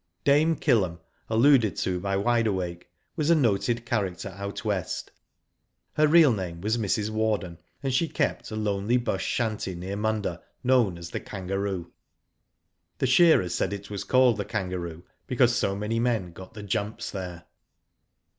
Dame KilPem, alluded to by Wide Awake, was a noted character out West. Her real name was Mrs. Warden, and she kept a lonely bush shanty near Munda, known as ''The Kangaroo.*' The shearers said it was called " The Kangaroo " because so many men got ''the jumps" there.